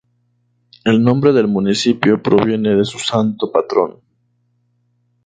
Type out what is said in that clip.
El nombre del municipio proviene de su santo patrón.